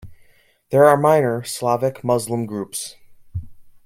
There are minor Slavic Muslim groups.